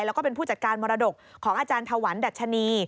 แล้วก็เป็นผู้จัดการมรดกของอาจารย์ถวันดัชนี